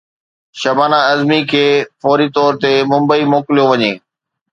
شبانه اعظمي کي فوري طور تي ممبئي موڪليو وڃي